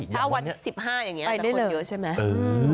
ใช่อย่างวันเดียถ้าวันที่๑๕อย่างนี้จะคนเยอะใช่ไหม